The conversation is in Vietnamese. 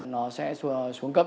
nó sẽ xuống cấp